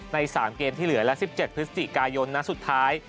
ใน๓เกมที่เหลือและ๑๗พฤศจิกายนนัดสุดท้าย